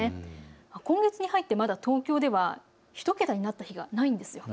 今月に入ってまだ東京では１桁になった日はないんです。